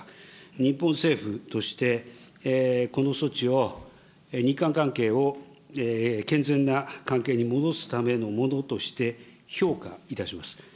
日本政府として、この措置を日韓関係を健全な関係に戻すためのものとして評価いたします。